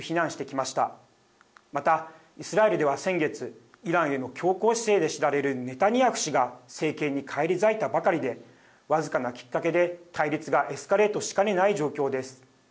また、イスラエルでは先月イランへの強硬姿勢で知られるネタニヤフ氏が政権に返り咲いたばかりで僅かなきっかけで対立がエスカレートしかねない状況です。